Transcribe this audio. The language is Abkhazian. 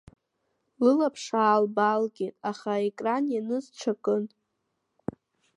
Лылаԥш аалбаалгеит, аха аекран ианыз ҽакын…